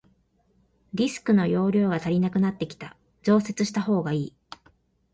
ディスクの容量が足りなくなってきた、増設したほうがいい。